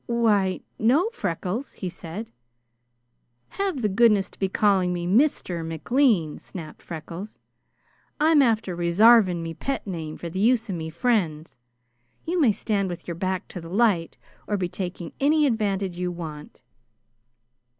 "Why, no, Freckles," he said. "Have the goodness to be calling me Mister McLean," snapped Freckles. "I'm after resarvin' me pet name for the use of me friends! You may stand with your back to the light or be taking any advantage you want."